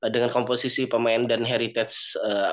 dengan komposisi pemain dan heritage